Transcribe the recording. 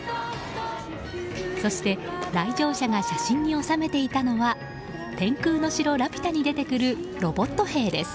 そして来場者が写真に収めていたのは「天空の城ラピュタ」に出てくる、ロボット兵です。